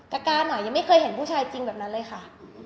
การหน่อยยังไม่เคยเห็นผู้ชายจริงแบบนั้นเลยค่ะ